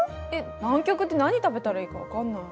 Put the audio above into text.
南極って何食べたらいいか分かんない。